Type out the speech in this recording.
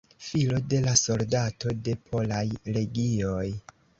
Filo de la soldato de Polaj Legioj.